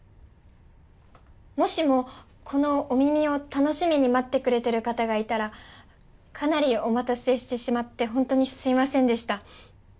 もしもこの「お耳」を楽しみに待ってくれてる方がいたらかなりお待たせしてしまって本当にすみませんでした。